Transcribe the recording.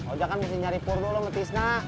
oja kan mesti nyari pur dulu mbak fisna